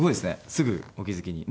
すぐお気付きに。